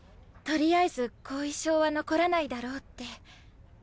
取りあえず後遺症は残らないだろうって。